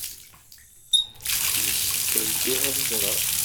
Yessefk ad dduɣ ad t-ẓreɣ.